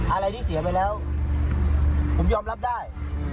อะไรที่เสียไปแล้วผมยอมรับได้